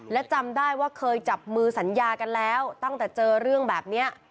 และจำได้ว่าเคยจับมือสัญญากันแล้วตั้งแต่เจอเรื่องแบบนี้